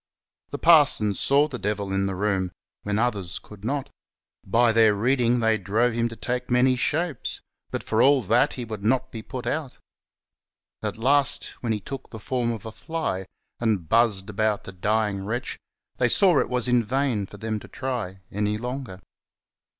The parsons saw the devil in the room, when others could not ; by their reading they drove him to take many shapes, but for all that he would not be jput out ; at last, when he took the form of a fly, and buzzed about the dying wretch, they saw it was in vain for them to try any longer.